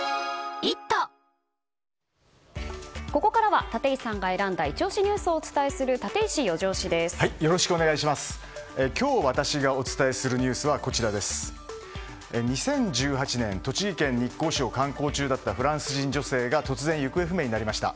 ここからは、立石さんが選んだイチ推しニュースをお伝えする今日私がお伝えするニュースは２０１８年栃木県日光市を観光中だったフランス人女性が突然、行方不明になりました。